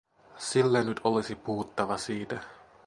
Sillä nyt olisi puhuttava siitä.